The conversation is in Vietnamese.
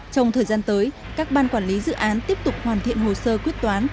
trong thời gian tới các ban quản lý dự án tiếp tục hoàn thiện hồ sơ quyết toán